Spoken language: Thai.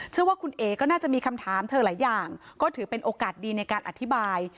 ว่าคุณเอ๋ก็น่าจะมีคำถามเธอหลายอย่างก็ถือเป็นโอกาสดีในการอธิบาย